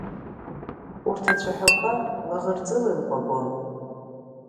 Урҭ ацәаҳәақәа лаӷырӡыла илкәабон.